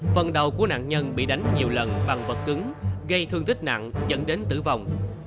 phần đầu của nạn nhân bị đánh nhiều lần bằng vật cứng gây thương tích nặng dẫn đến tử vong